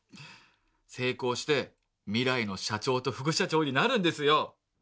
成功して未来の社長と副社長になるんですよ。